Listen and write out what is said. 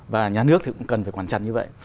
và nhà nước thì cũng cần phải quản trận như vậy